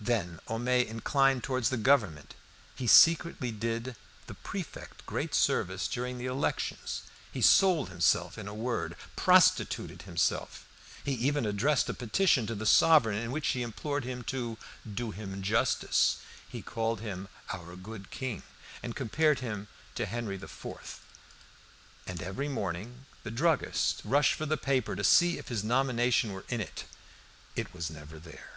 Then Homais inclined towards the Government. He secretly did the prefect great service during the elections. He sold himself in a word, prostituted himself. He even addressed a petition to the sovereign in which he implored him to "do him justice"; he called him "our good king," and compared him to Henri IV. And every morning the druggist rushed for the paper to see if his nomination were in it. It was never there.